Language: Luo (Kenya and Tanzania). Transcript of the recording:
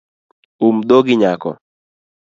Um dhogi nyako